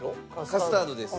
カスタードです。